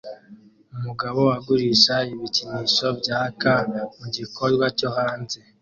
Umugabo agurisha ibikinisho byaka mugikorwa cyo hanze